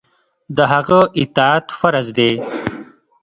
د هغه اطاعت فرض دی.